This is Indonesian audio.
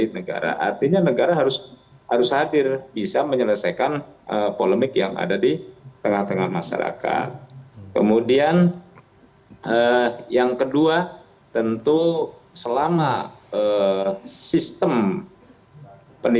pertama ada tiga rekomendasi